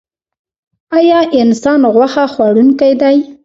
ایا انسان غوښه خوړونکی دی؟